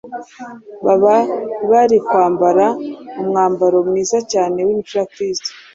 baba bari kwambara umwambaro mwiza cyane w’imico ya Kristo.